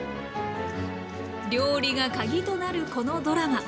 料理が鍵となるこのドラマ。